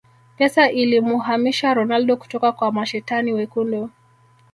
Pesa ilimuhamisha Ronaldo kutoka kwa mashetani wekundu